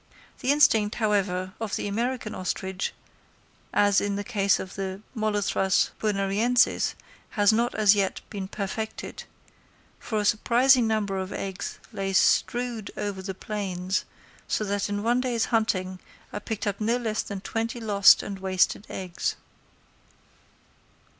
The instinct, however, of the American ostrich, as in the case of the Molothrus bonariensis, has not as yet been perfected; for a surprising number of eggs lie strewed over the plains, so that in one day's hunting I picked up no less than twenty lost and wasted eggs.